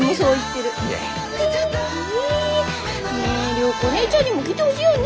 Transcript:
涼子お姉ちゃんにも来てほしいよね？